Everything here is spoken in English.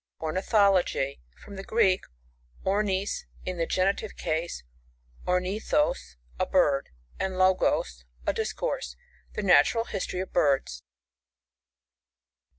Ornithology — From the Greek orfiis, in the genitive case, ornf<Ao«,a bird, and logos^ a discourse. The natural history of birds.